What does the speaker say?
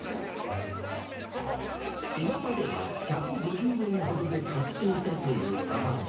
今までは１５０円ほどで買っていたという卵。